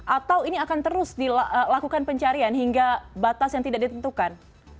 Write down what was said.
atau ini akan terus dilakukan pencarian hingga batas yang tidak ditentukan